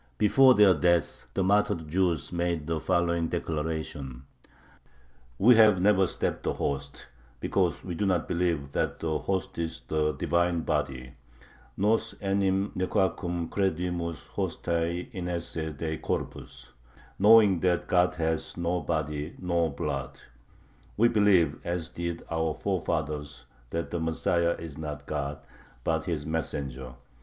Before their death the martyred Jews made the following declaration: We have never stabbed the host, because we do not believe that the host is the Divine body (nos enim nequaquam credimus hostiae inesse Dei corpus), knowing that God has no body nor blood. We believe, as did our forefathers, that the Messiah is not God, but His messenger.